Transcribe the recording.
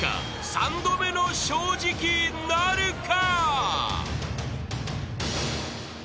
三度目の正直なるか？］